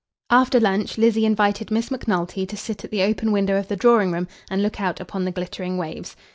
After lunch Lizzie invited Miss Macnulty to sit at the open window of the drawing room and look out upon the "glittering waves."